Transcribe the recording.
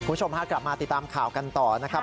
คุณผู้ชมฮะกลับมาติดตามข่าวกันต่อนะครับ